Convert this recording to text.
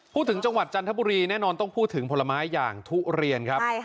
จังหวัดจันทบุรีแน่นอนต้องพูดถึงผลไม้อย่างทุเรียนครับ